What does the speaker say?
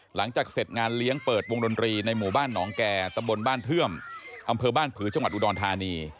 หลังจากเสร็จงานเลี้ยงเปิดวงดนตรีในหมู่บ้านหนองแก่ตำบลบ้านเทื่อมอำเภอบ้านผือจังหวัดอุดรธานี